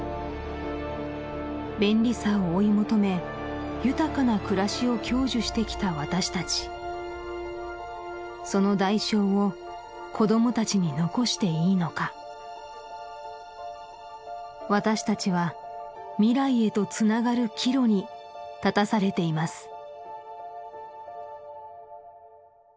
便利さを追い求め豊かな暮らしを享受してきた私たちその代償を子どもたちに残していいのか私たちは未来へとつながる岐路に立たされています